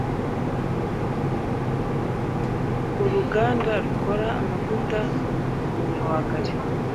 Uruganda rukora amavuta mu bihwagari